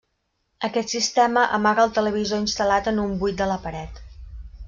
Aquest sistema amaga el televisor instal·lat en un buit de la paret.